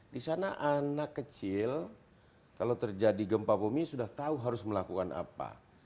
di sana anak kecil kalau terjadi gempa bumi sudah tahu harus melakukan apa